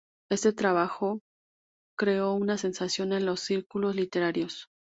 Este trabajo creó una sensación en los círculos literarios.